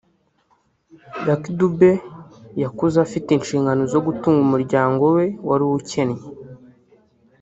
Luck Dube yakuze afite inshingano zo gutunga umuryango we wari ukennye